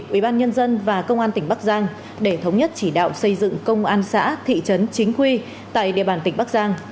ubnd và công an tỉnh bắc giang để thống nhất chỉ đạo xây dựng công an xã thị trấn chính quy tại địa bàn tỉnh bắc giang